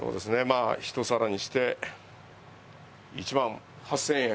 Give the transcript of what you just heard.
まあ１皿にして１万８０００円。